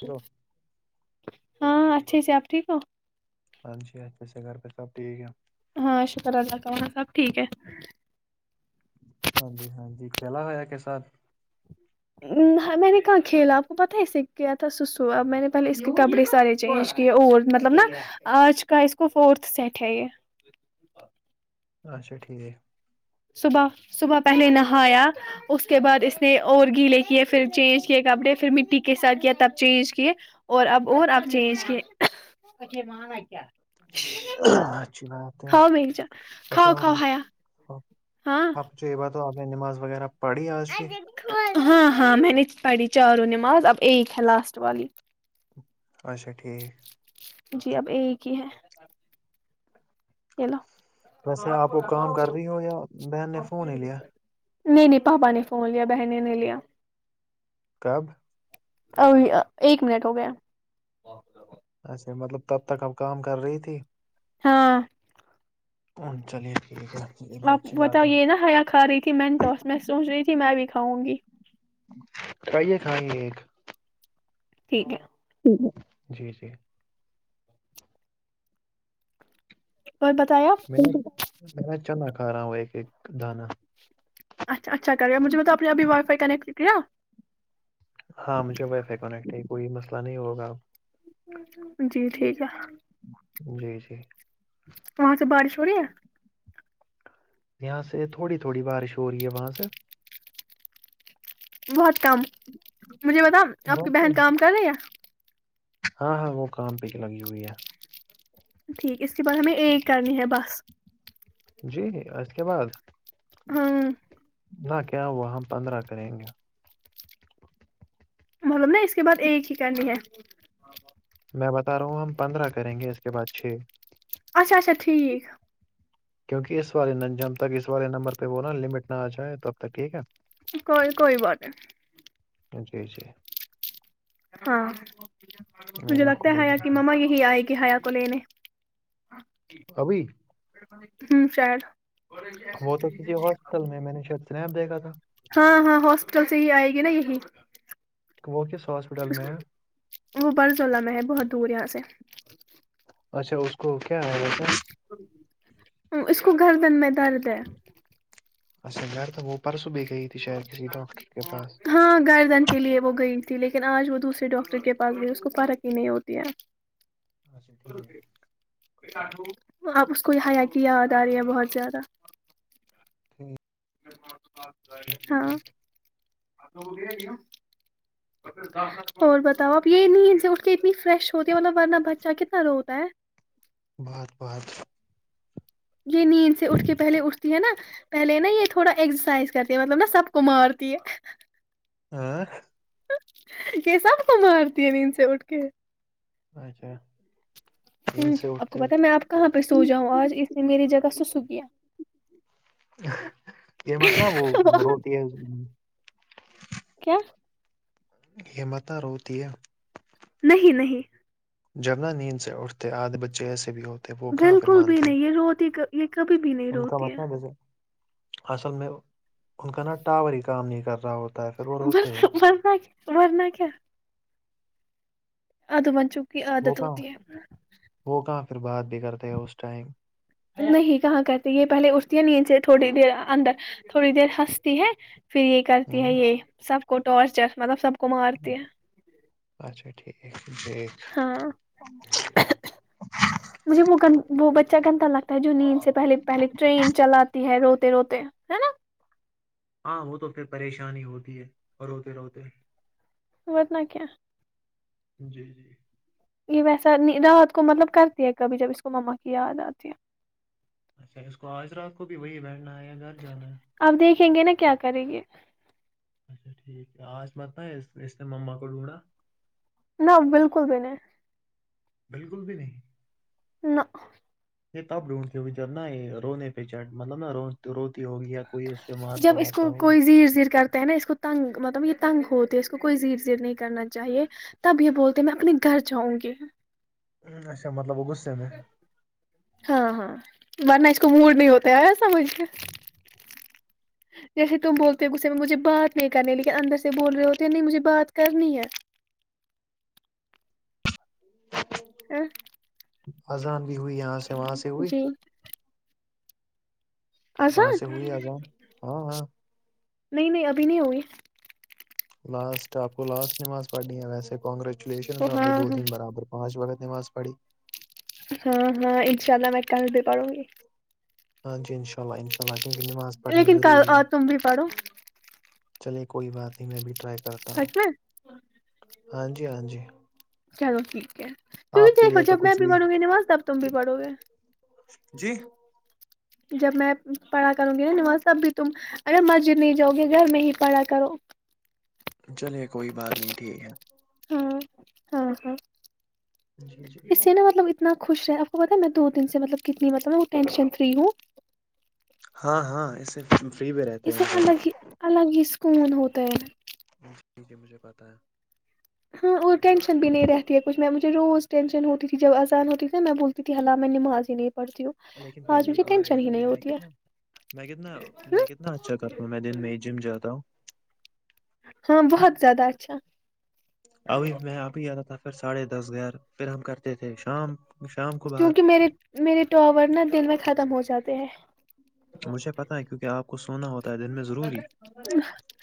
ٹھیک ہو ہاں اچھا سب ٹھیک ہو ہ جی پ سے گھر پہ سب ٹھیک ہے ہاں شکر اداکنا صاحب ٹھیک ہے ہاں جی ہاں جی کھیلا ہویا کےساتھ اں میں نے کہاں کھیلا آپ کو پتہ ہے اسے کیا تھا سس سو اب میں نے پہلے اس کے کپڑے سارے چینج یہ اول مطلب نا آج کا اس کو فورتھ سیٹ ہے یہ اچھا ٹھیک صبح صبح پہلے نہایا اس کے بعد اس نے اور گیلے کیے پھر چینج کیے کپڑے پھر مٹی کے ساتھ کیا تب چینج کیے اور اب اور آپ چینج کے کیا اچھی بات ہے کاؤ بینچا کاؤ اچھا کاؤ آپ ہایا [unintelligible] ہاں یہ بات تو آپ نے نماز وغیرہ پڑھی آج کی ہاں ہاں میں نے پڑھی چاروں نماز اب ایک ہے لاسٹ والی اچھا ٹھیک جی اب ایک ہی ہے یہ لو ویسے آپ کو کام کر رہی ہو یا بہن نے فون ہی لیا نہیں نہیں پاپا نے فون لیا بہن نے لیا کب ا ایک منٹ ہو گیا اچھا مطلب تب تک ہمب کام کر رہی تھی ہاں ہن چلے ٹھیک ہے [inaudible] آپ اچھی بات ہے بتؤے نا ہیا کھا رہی تھی میںین ٹاس میں سوچ رہی تھی میں بھی کاؤں گی کیے کھائیں ایک [inaudible] ٹھیک ہے جی جی [inaudible] اور بتایا [inaudible] میں چنا کھا رہا وہ ایک ایک دانا اچھا اچا کر رہے مجھے بل اپ ابھی وائی فائی کنیکٹ کر کیا ہاں مجھے وائی فائی کیکٹ ہے کوئی مسئلہ نہیں ہوگا جی ٹھیک ہے جی جی وہاں سے بارش ہو رہی ہے یہ اس تھوڑی تھوڑی بارش ہو رہی ہے بس [unintelligible] بہت کم مجھے بتا آپ کی بہت بہن کم۔ کام کر رہی ہاں ہاں وہ کام پہ لگی ہوئی ہے ٹھیک اس کے بعد ہمیں ایک کرنی ہے بس جی اس کے بعد ہاں نہ کیا ہوا ہم پندرہ کریں گے مطلب نا اس کے بعد ایک ہی کرنی ہے میں بتا رہا ہوں ہم پندرہ کریں گے اس کے بعد چھ اچھا اچھا ٹھیک کیوںکہ اسے جب تک اس والے نمبر پہ وہ نا لمٹ نہ آ جائے تو اب تک ٹھیک ہے کوئی کوئی بات نہیں جی جی ہاں میں مجھے نے آپ لگتا کو ہے وہی حیا کی بتایا مما یہی آئے گ ہیا کو لینے ابھی ہ سر [inaudible] وہ تو کسی ہاسپٹل میں میں نے شاید سنیپ دیکھا تھا ہاں ہاں ہاسپٹل سے ہی آئے گی نا یہی وہ کس ہاسپٹل میں ہے وہ برز اللہ میں ہے بہت دور یہاں سے اچھا اس کو کیا ہے گس اس کو گھر بند میںتا رہتے [inaudible] اچھا گھر تو وہ پرسوں بھی گئی تھی شاید کسی ڈاکٹر کے پاس ہاں گردن کے لیے وہ گئی تھی لیکن آج وہ دوسرے ڈاکٹر کے پاس گئی اسس کو فرق ہی نہیں ہوتی ہے اچھا ٹھیک ہے [inaudible] آپ اس کو یہاں کی یاد آ رہی ہیں بہت زیادہ ٹھیک ہاں ٹھیک اور بتاؤ آپ یہ نہیں اٹھ کے اتنی فریش ہوتی ہے مطلب ورنہ بچہ کتنا روتا ہے بہت بہت یہ نیند سے اٹھ کے پہلے اٹھتی ہے نا پہلے نا یہ تھوڑا ایکسرسائز کرتی ہے مطلب نا سب کو مارتی ہے ہ [inaudible] کیسب کو مارتی ہے نیند سے اٹھ کے اچھا نیند ہوں سے آپ کو اٹھتے پتا میں آپ کہاں پہ سو ہیں، جاؤں آج اس نے میری جگہ سسو کیایا یہ مت ن وہ بتی ہے کیا یہ متہ ر ہوتی ہے نہیں نہیں جبنا نیند سے اٹھتے آد بچے ایسے بھی ہوتے وہ کہاں پر بالکل بھی مانتے ہیں نہیں روتی ہی یہ کبھی بھی نہیں ان کا روتی ہے مت ب اصل میں ان کا نا ٹاور ہی کام نہیں کر رہا ہو بر برنا برنا کیا اد منچوں کی وہ عادت کہاں ہوتی ہے وہ کہاں پھر بات بھی کرتے ہیں اس ٹائم نہیں کہاں کرتی یہ پہلے استی نیچے تھوڑی دیر اندر تھوڑی دیر ہنستی ہے پھر یہ کرتی ہے ہوں یہ سب کو ٹارچر مطلب سب کو مارتی ہے اچھا ٹھیک جی ہاں مجھے وہ گ وہ بچہ گندا لگتا ہے جو نیند سے پہلے پہلے ٹرین چلاتی ہے روتے روتے ہ نا ہاں وہ تو پھر پریشانی ہوتی ہے اور روتے روتے و اتنا کی جی جی یہ ویسا رات کو مطلب کرتی ہے کبھی جب اس کو مما کی یاد آتی ہے اچھا اس کو آج رات کو بھی وہی بیٹھنا ہے یا گھر جانا ہے اپ دیکھیں گے نا کیا کریں گے اچا ٹھیک ہے آج مت ہے اس ت م مکٹ ڈونڈا نہ بالکل بھی نہیں بالکل بھی نہیں نو یہ تب ڈھونڈ کے ہو جب نہا یہ رونے پیچٹ مطلب نہا ر روتی ہو گی یا کوئی سے مارتا جب اس وارتا ہوگا کوئی زیر زیر کرتے ہیں نا اس کو تنگ مطلب یہ تنگ ہوتی ہے اس کو کوئی زیر زیر نہیں کرنا چاہیے تب یہ بولتے میں اپنے گھر جاؤں گی ہو اچھا مطلب وہ غصے میں ہاں ہاں ورنہ اس کو موڈ نہیں ہوتا ہے سمجھ کے جیسے تم بولتے غصے میں مجھے بات نہیں کرنی لیکن اندر سے بول رہے ہوتے ہیں نہیں مجھے بات کرنی ہے ہے اذان بھی ہوئی یہاں سے وہاں سے ہوئی جی وہاں آجان سے ہوئی اذان ہاں ہاں نہیں نہیں ابھی نہیں ہوئے لاسٹ آپ کو لاسٹ نماز پڑھنی ہے ویسے کانگریچولیشن آپ ہاں نے دو ہاں دن برابر پانچ وقت نواز پڑی ہاں ہاں انشاء اللہ میں کل بھی پڑوں گی ہاں جی ان شاء اللہ ان شاء اللہ کیونکہ نماز پڑھنی لیکن کل ضروری ہے اور تم بھی پڑھو چلیے کوئی بات نہیں میں بھی ٹرائی کرتا ہوں سچ میں ہاں جی ہاں جی چلو ٹھیک ہے آپ کیونک کے دیکھو لیے تو جب میں کچھ بھی پڑو گی نواز تب تم بھی پڑو گے جی جب میں پڑھا کروں گی نا نماز تب بھی تم ارے مسجد نہیں جاؤ گے گھر میں ہی پڑا کرو چلیے کوئی بات نہیں ٹھیک ہے ہاں ہاں ہاں جی جی اس سے نا مطلب اتنا خوش رہے آپ کو پتا ہے میں دو دن سےطلب کتنی مطلب میں وہ ٹینشن فری ہوں ہاں ہاں اس فری بھی رہتے اس سے ہیں الگ ہی الگ ہی سکون ہوتا ہے اس میں جی مجھے پتا ہے ہاں اور ٹینشن بھی نہیں رہتی ہے کچھ میں مجھے روز ٹینشن ہوتی تھی جب اذان ہوتی تھی نا میں بول تھی حالہ میں نمااز ہی نہیں پڑتی ہوں لیکن آج پہلے مجھے ایک بات ٹینشن ہی بتائیے نہیں میں ہوتی کتنا ہے میں کتنا میں کتنا اچھا کرتا ہوں میں دن میں ہے جم جاتا ہوں ہاں بہت زیادہ اچھا ابھی میں ابھی اتا تھا پھر ساڑھے دس گیر پھر ہم کرتے تھے شام شام کو کیونکہ بعد میرے میرے ٹاور نا دن میں ختم ہو جاتے ہیں مجھے پتا ہے کیونکہ آپ کو سونا ہوتا ہے دن میں ضروری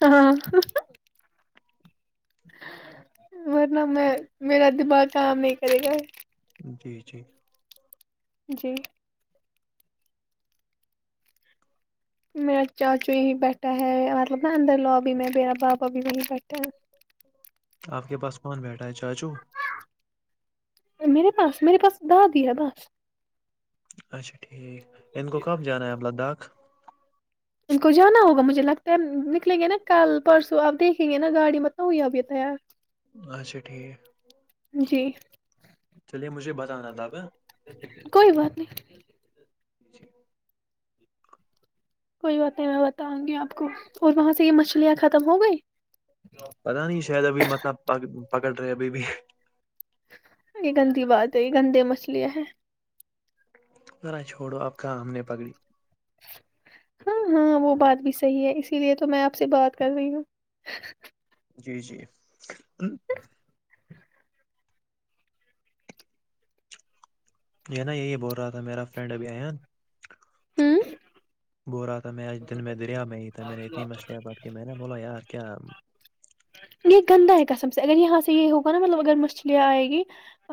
ہاں ورنہ میں میرا دماغ کام نہیں کرے گا جی جی جی میرا چاچو یہیں بیٹھا ہے مطلب نا اندر لوبی میں میرا بابا بھی وہیں بیٹھا ہے آپ کے پاس کون بیٹھا ہے چاچو میرے پاس میرے پاس دادی ہے بس اچا ٹھیک ان کو کب جانا ہے آب لداخ ان کو جانا ہوگا مجھے لگتا ہے نکلیں گے نا کل پرسوں آب دیکھیں گے نا گاڑی بتاؤں ابھی یہ تیار اچھا ٹھیک جی چلیے مجھے بتانا تب کوئی بات نہیں جی کوئی بات نہیں میں بتاؤں گی آپ کو اور وہاں سے یہ مچھلیاں ختم ہو گئی پتا نہیں شاید ابھی مت نا پکڑ رہے ابھی بھی یہ گندی بات ہے یہ گندے مسئلےہیں ذرا چھوڑو اب کہاں ہم نے پکڑی ہاں ہاں وہ بات بھی صحیح ہے اسی لیے تو میں آپ سے بات کر رہی ہوں جی جی ہو یہ نا یہی بول رہا تھا میرا فرینڈ ابھی آان ہھم بول رہا تھا میں آج دن میں دریا میں ہی تھا میں نے اتنی مچھیاں پٹ کے میں نےا بولا یار کیا یہ گندہ ہے قسم سے اگر یہاں سے یہ ہوگا نا مطلب اگر مچھلیاں آئے گی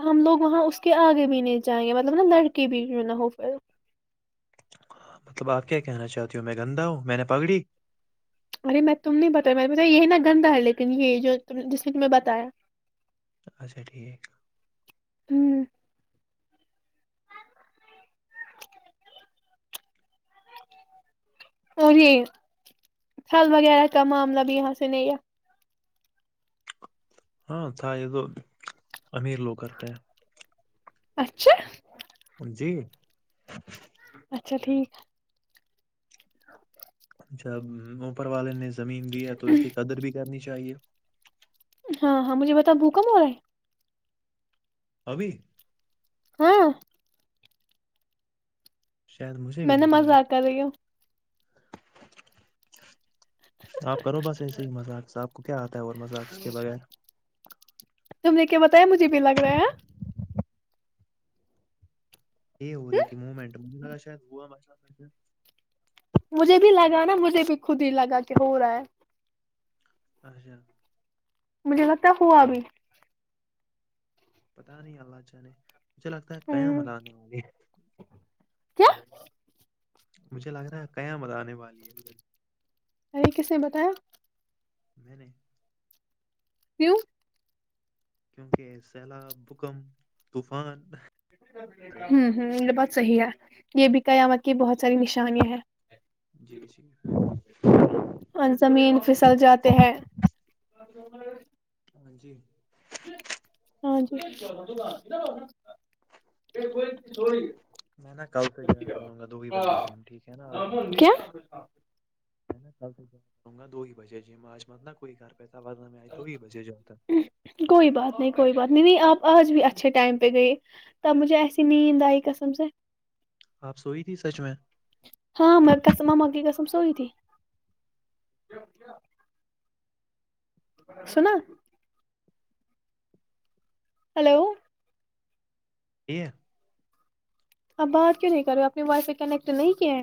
ہم لوگ وہاں اس کے آگے بھی نہیں جائیں گے مطلب نا لڑکے بھی نہ ہو مطلب آپ کیا کہنا چاہتی ہوں میں گندا ہوں میں نے پگڑی ارے میں تم نہیں بتایا میں نے بتا یہ نا گندا ہے لیکن یہ جو جس نے تمہیں بتایا اچھا ٹھیک ہھم اور یہ پھل وغیرہ کا معاملہ بھی یہاں سے نہیں ہے ہاں تھا یہ تو امیر لوگ کرتے ہیں اچھا جی اچھا ٹھیک ا [inaudible] جب اوپر والے نے زمین دی ہے تو اس کی قدر بھی کرنی چاہیے ہاں ہاں مجھے بتا بھوکم ہو رہا ہے ابھی ہاں شاید مجھے بھی میں نےا لگ رہا مزا کر رہی ہوں آپ کرو بس ایسے ہی مذاقس آپ کو کیا آتا ہے اور مذاقس کے بغیر تم نے کیا بتایا مجھے بھی لگ رہا ہے یہ ہو رہی تھی مومنٹ مجھے لگا شاید ہوا مس مجھے بھی لگا نا مجھے بھی خود ہی لگا کہ ہو رہا ہے اچھا مجھے لگتا ہے ہوا ابھی پتاہ نہیں اللہ اچا نے مجھے لگتا ہے قیا م ہوں لے والے کیا مجھے لگ رہا ہے قیامت آنے والی ہے ار کس نے بتایا میں نے کیوں کیونکہ سیلاب بھکم طوفان ارے ہوں ہ یہ بات صحیح ہے یہ بھی قیامت کی بہت ساری نشانیاں ہیں جی جی اور زمین پھسل جاتے ہیں اور ہاں جی ہاںی میں نا کل پہ ج کروں گا دو ہی بجے جم ٹھیک ہے نا آج متلب کیا میں ک سے جوں گا دو ہی بجے جی مع آج مت ن کوئی گھر پہس آئی دو ہی بجے جاتا تھا کوئی بات نہیں کوئی بات نہیں نہیں آپ آج بھی اچھے ٹائم پہ گئی تب مجھے ایسی نیند آئی قسم سے آپ سوئی تھی سچ میں ہاں م گم مگ گس سم سوی سنا ہلو [inaudible] اب بات کیوں نہیں کر رہے اپنی وائی فائی کنیکٹ نہیں کیے ہیں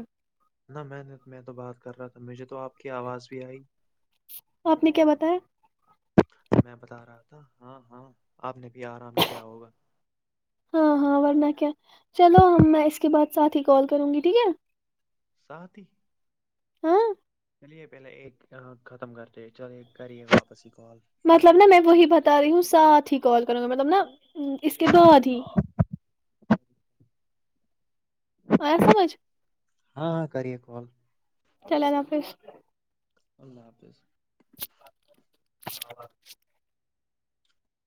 نہ میں نے میں تو بات کر رہا تھا مجھے تو آپ کی آواز بھی آئی آپ نے کیا بتایا میں بتا رہا تھا ہاں ہاں آپ نے بھی آرا کیا ہوگا ہاں ہاں ورنہ کیا چلو ہم میں اس کے بعد ساتھ ہی کال کروں گی ٹھیک ہے ساتاتھی ہاں چلیے پہلے ایک ختم کرتے چل ایک کریے واپس ہی کال مطلب ساتھی نا میں وہی بتا رہی ہوں ساتھ ہی کال کروں گا مطلب نا اس کے بعد ہی آیا سمجھ ہاں ہاں کریے کال چل ال حافظ اللہ حافظ ہ [inaudible]